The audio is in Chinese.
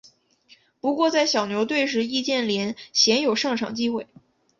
不过在小牛队时易建联鲜有上场机会。